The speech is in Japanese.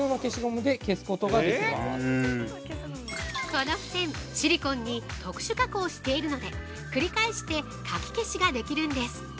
◆この付箋、シリコンに特殊加工しているので繰り返して書き消しができるんです。